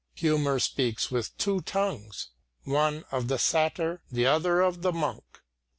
Humour speaks with two tongues, one of the satyr, the other of the monk.